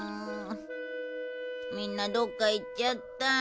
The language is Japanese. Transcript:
みんなどっか行っちゃった。